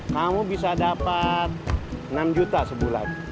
kamu bisa dapat enam juta sebulan